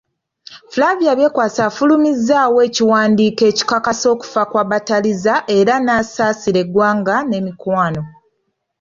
Flavia Byekwaso afulumizaawo ekiwandiiko ekikakasa okufa kwa Bantariza era n'asaasira eggwanga n'emikwano.